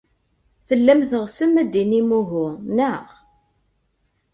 Tellam teɣsem ad d-tinim uhu, naɣ?